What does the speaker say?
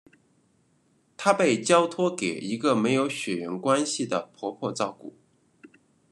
他被交托给一个没血缘关系的婆婆照顾。